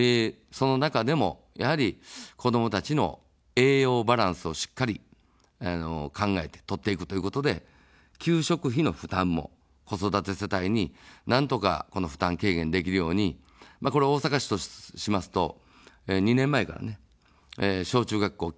その中でも、やはり子どもたちの栄養バランスをしっかり考えて、摂っていくということで、給食費の負担も子育て世帯になんとか負担軽減できるように、これは大阪市としますと２年前から、小中学校、給食費無償と。